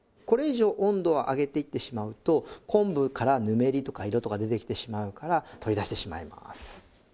これ以上温度を上げていってしまうと昆布からぬめりとか色とか出てきてしまうから取り出してしまいます。